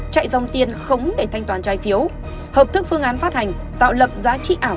chạy dòng tiền khống để thanh toán trái phiếu hợp thức phương án phát hành tạo lập giá trị ảo